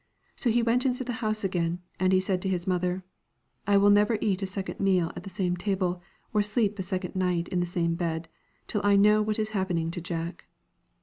So he went into the house again, and he said to his mother, 1 I will never eat a second meal at the same table, or sleep a second night in the same bed, till I know what is happening to Jack.'